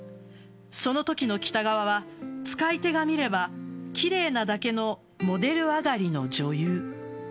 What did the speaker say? そのときの北川は使い手が見れば奇麗なだけのモデル上がりの女優。